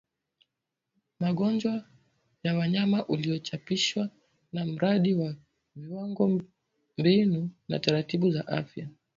magonjwa ya wanyama uliochapishwa na Mradi wa Viwango Mbinu na Taratibu za Afya